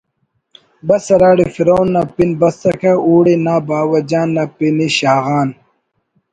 بس ہراڑے فرعون نا پن بسکہ اوڑے نا باوہ جان ناپن ءِ شاغان